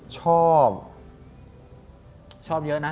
ชอบเยอะนะ